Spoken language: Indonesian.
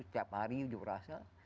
setiap hari unjuk rasa